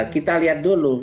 kita lihat dulu